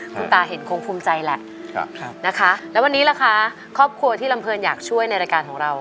คุณตาเห็นคงภูมิใจแหละนะคะแล้ววันนี้ล่ะคะครอบครัวที่ลำเพลินอยากช่วยในรายการของเรา